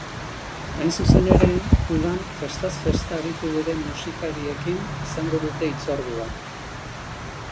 Hain zuzen ere, udan festaz festa aritu diren musikariekin izango dute hitzordua.